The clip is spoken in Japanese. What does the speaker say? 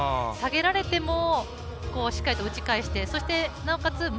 下げられてもしっかり打ち返してそしてなおかつ